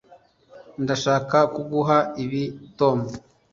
ndashaka kuguha ibi, tom